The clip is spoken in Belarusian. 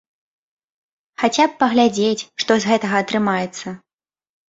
Хаця б паглядзець, што з гэтага атрымаецца.